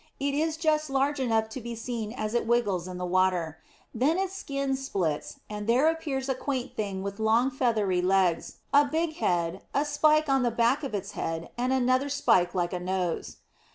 It is just large enough to be seen as it wriggles in the water. Then its skin splits, and there appears a quaint thing with long feathery legs, a big head, a spike on the back of its head, and another spike like a nose.